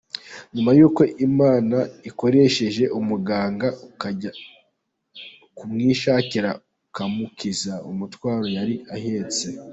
Nyuma y’uko Imana ikoresheje umuganga akajya kumwishakira akamukiza umutwaro yari ahetse.